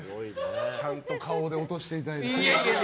ちゃんと顔で落としていただいて。